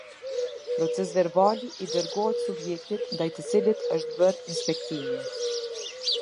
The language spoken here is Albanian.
Procesverbali i dërgohet subjektit ndaj të cilit është bërë inspektimi.